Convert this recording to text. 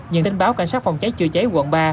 nhưng tình báo cảnh sát phòng cháy chữa cháy quận ba